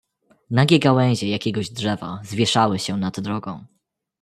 "Nagie gałęzie jakiegoś drzewa zwieszały się nad drogą."